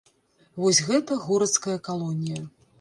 Вось гэта горацкая калонія.